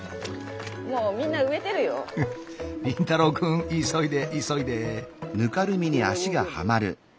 凛太郎くん急いで急いで！